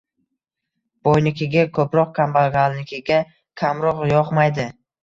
Boynikiga ko‘proq, kambag‘alnikiga kamroq yog‘maydi.